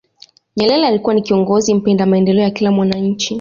nyerere alikuwa ni kiongozi mpenda maendeleo ya kila mwananchi